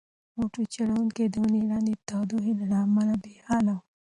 موټر چلونکی د ونې لاندې د تودوخې له امله بې حاله و.